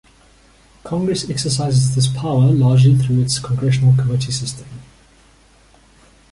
Congress exercises this power largely through its congressional committee system.